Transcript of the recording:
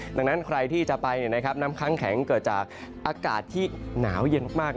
ดังนั้นใครที่จะไปน้ำค้างแข็งเกิดจากอากาศที่หนาวเย็นมาก